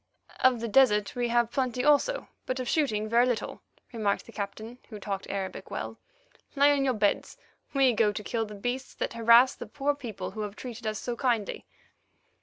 "Of the desert we have plenty also, but of shooting very little," remarked the Captain, who talked Arabic well. "Lie in your beds; we go to kill the beasts that harass the poor people who have treated us so kindly."